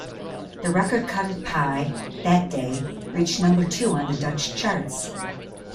The record cut at Pye, "That Day", reached number two on the Dutch charts.